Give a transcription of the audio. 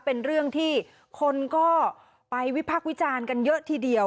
เป็นเรื่องที่คนก็ไปวิพักษ์วิจารณ์กันเยอะทีเดียว